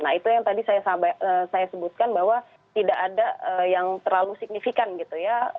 nah itu yang tadi saya sebutkan bahwa tidak ada yang terlalu signifikan gitu ya